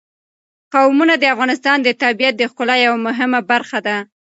قومونه د افغانستان د طبیعت د ښکلا یوه مهمه برخه ده.